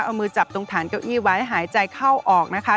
เอามือจับตรงฐานเก้าอี้ไว้หายใจเข้าออกนะคะ